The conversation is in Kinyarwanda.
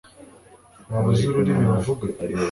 waba uzi ururimi bavuga